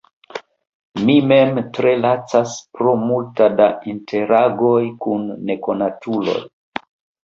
Mi mem tre lacas pro multo da interagoj kun nekonatuloj.